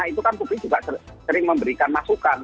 itu kan publik juga sering memberikan masukan